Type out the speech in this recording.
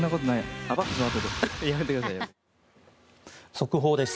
速報です。